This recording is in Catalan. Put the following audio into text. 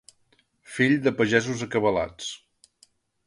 Fill de pagesos acabalats.